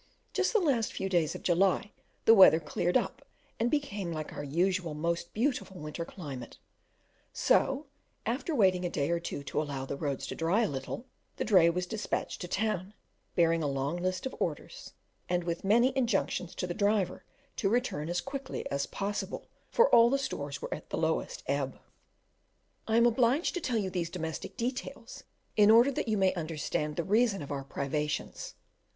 Just the last few days of July the weather cleared up, and became like our usual most beautiful winter climate; so, after waiting a day or two, to allow the roads to dry a little, the dray was despatched to town, bearing a long list of orders, and with many injunctions to the driver to return as quickly as possible, for all the stores were at the lowest ebb. I am obliged to tell you these domestic details, in order that you may understand the reason of our privations.